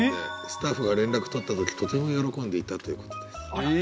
スタッフが連絡取った時とても喜んでいたということです。